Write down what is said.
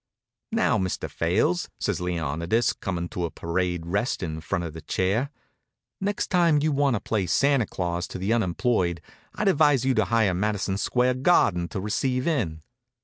"Now, Mr. Fales," says Leonidas, comin' to a parade rest in front of the chair, "next time you want to play Santa Claus to the unemployed I'd advise you to hire Madison Square Garden to receive in."